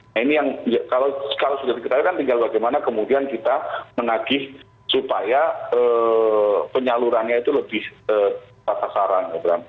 nah ini yang kalau sudah diketahui kan tinggal bagaimana kemudian kita menagih supaya penyalurannya itu lebih tepat sasaran